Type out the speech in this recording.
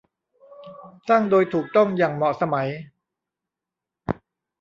สร้างโดยถูกต้องอย่างเหมาะสมัย